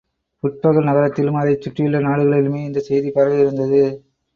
புட்பக நகரத்திலும் அதைச் சுற்றியுள்ள நாடுகளிலுமே இந்தச் செய்தி பரவியிருந்தது.